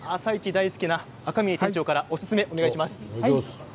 大好きな赤嶺店長からおすすめをお願いします。